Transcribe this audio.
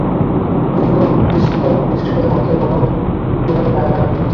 কুন্দর বিস্মিত দৃষ্টিপাতে লজ্জায় গোপালের গায়ে কাঁটা দিয়ে ওঠে।